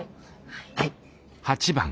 はい！